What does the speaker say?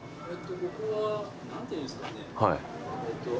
・ここは何ていうんですかね。